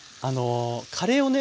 カレーをね